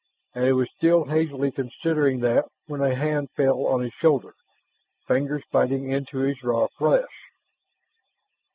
And he was still hazily considering that when a hand fell on his shoulder, fingers biting into his raw flesh.